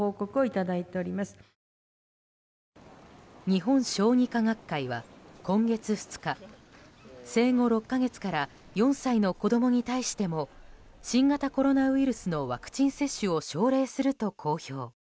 日本小児科学会は今月２日生後６か月から４歳の子供に対しても新型コロナウイルスのワクチン接種を奨励すると公表。